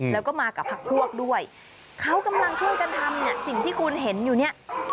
แล้วก็มากับพักพวกด้วยเขากำลังช่วยกันทำเนี่ยสิ่งที่คุณเห็นอยู่เนี่ย